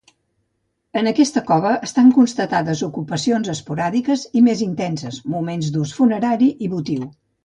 En aquesta cova estan constatades ocupacions esporàdiques i més intenses, moments d'ús funerari i votiu.